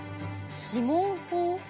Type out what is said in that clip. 指紋法？